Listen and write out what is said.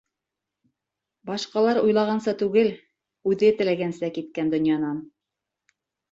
Башҡалар уйлағанса түгел, үҙе теләгәнсә киткән донъянан.